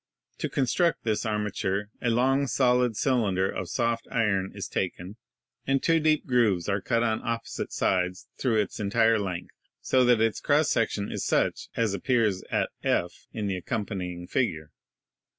To construct this armature a long, solid cylinder of soft iron is taken, and two deep grooves are cut on opposite sides through its entire length, so that its cross section is such as appears at F in the accompanying figure.